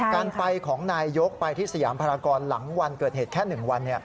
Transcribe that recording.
การไปของนายยกไปที่สยามภารกรหลังวันเกิดเหตุแค่๑วัน